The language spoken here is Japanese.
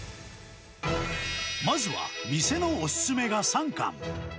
まずは店のお勧めが３貫。